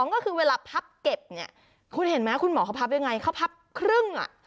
ก็คือเวลาพับเก็บเนี่ยคุณเห็นไหมคุณหมอเขาพับยังไงเขาพับครึ่งอ่ะ